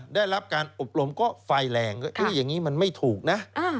ได้รับการอบรมก็ไฟแรงอย่างนี้มันไม่ถูกนะ